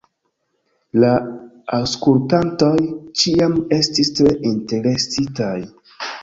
La aŭskultantoj ĉiam estis tre interesitaj.